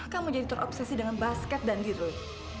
kamu jadi terobsesi dengan basket dan diri